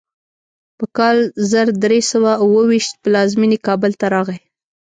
په کال زر درې سوه اوو ویشت پلازمینې کابل ته راغی.